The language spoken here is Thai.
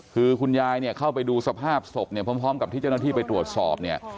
คือคุณยายเนี่ยเข้าไปดูสภาพศพเนี่ยพร้อมกับที่เจ้าหน้าที่ไปตรวจสอบเนี่ย